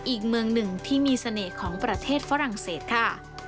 อีกเมืองหนึ่งที่มีเสน่ห์ของประเทศฝรั่งเศสค่ะ